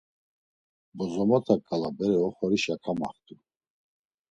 Bozomotaǩala bere oxorişa kamaxtu.